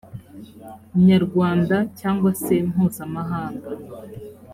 nyarwanda cyangwa se mpuzamahanga